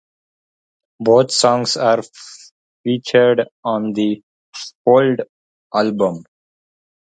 Both songs are featured on the "Fold" album.